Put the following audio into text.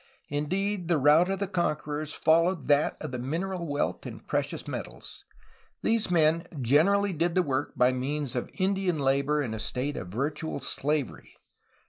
Indeed, the route of the conquerors followed that of mineral wealth in precious metals. These men generally did their work by means of Indian labor in a state of virtual slavery.